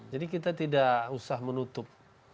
jadi kita tidak usah menutup